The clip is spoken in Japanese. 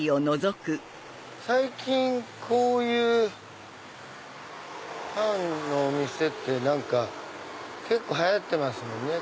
最近こういうパンのお店って結構流行ってますもんね。